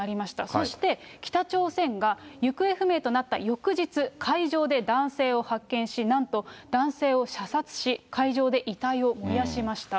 そして、北朝鮮が行方不明となった翌日、海上で男性を発見し、なんと男性を射殺し、海上で遺体を燃やしました。